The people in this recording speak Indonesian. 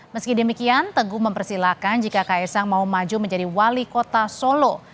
meski demikian teguh mempersilahkan jika kaisang mau maju menjadi wali kota solo